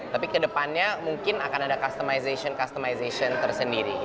tapi kedepannya mungkin akan ada customization customization tersendiri